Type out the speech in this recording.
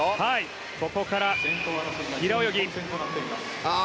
ここから平泳ぎです。